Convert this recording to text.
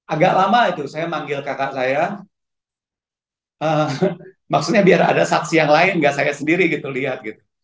agak lama itu saya manggil kakak saya maksudnya biar ada saksi yang lain gak saya sendiri gitu lihat gitu